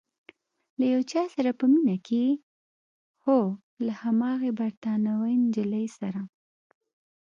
له یو چا سره په مینه کې یې؟ هو، له هماغې بریتانوۍ نجلۍ سره؟